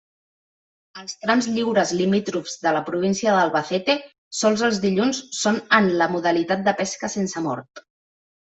Als trams lliures limítrofs de la província d'Albacete sols els dilluns són en la modalitat de pesca sense mort.